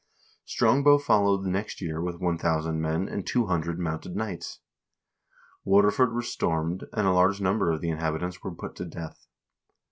Strongbow followed the next year with 1000 men and 200 mounted knights. Waterford was stormed, and a large number of the in habitants were put to death.